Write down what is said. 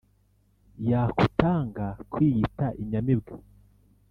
Yakutanga kwiyita Inyamibwa